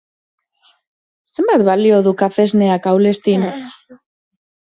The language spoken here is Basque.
Zenbat balio du kafesneak Aulestin?